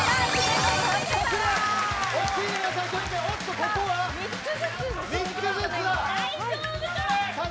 ここは３つずつだ。